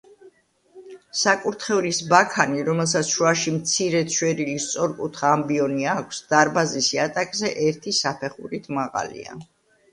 საკურთხევლის ბაქანი, რომელსაც შუაში მცირედ შვერილი სწორკუთხა ამბიონი აქვს, დარბაზის იატაკზე ერთი საფეხურით მაღალია.